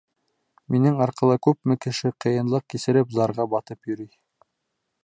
Минең арҡала күпме кеше ҡыйынлыҡ кисереп, зарға батып йөрөй.